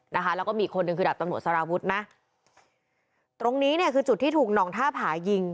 นะคะแล้วก็มีคนหนึ่งคือดาบตำรวจสารวุฒินะตรงนี้เนี่ยคือจุดที่ถูกหน่องท่าผายิง